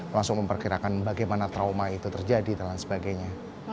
langsung memperkirakan bagaimana trauma itu terjadi dan lain sebagainya